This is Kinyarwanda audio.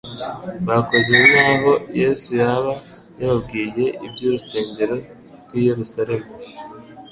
Bakoze nkaho Yesu yaba yababwiye iby'urusengero rw'i Yerusalemu;